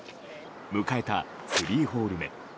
迎えた３ホール目。